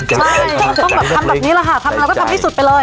ใช่ก็ต้องแบบทำแบบนี้แหละค่ะทำอะไรก็ทำให้สุดไปเลย